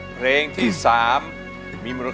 จะใช้หรือไม่ใช้ครับ